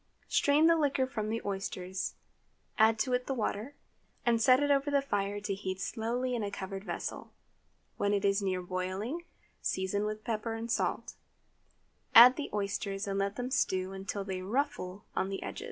Strain the liquor from the oysters, add to it the water, and set it over the fire to heat slowly in a covered vessel. When it is near boiling, season with pepper and salt; add the oysters, and let them stew until they "ruffle" on the edge.